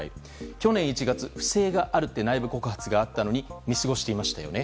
去年１月、不正があると内部告発があったのに見過ごしていましたよね。